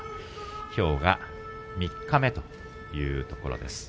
きょうが三日目というところです。